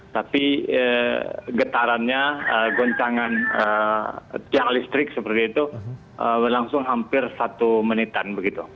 tapi getarannya guncangan yang listrik seperti itu langsung hampir satu menitan